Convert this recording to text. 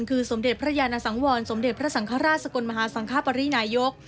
คือสมเด็จพระยานสังวรสมเด็จพระสังฆราชสกลมหาสังคปรินายก